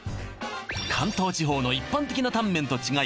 関東地方の一般的なタンメンと違い